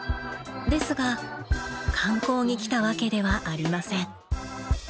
ですが観光に来たわけではありません。